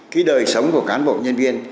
cái đời sống của cán bộ nhân viên